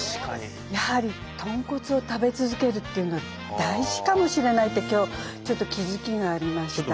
やはり豚骨を食べ続けるっていうのは大事かもしれないって今日ちょっと気付きがありました。